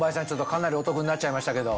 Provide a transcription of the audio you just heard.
かなりお得になっちゃいましたけど。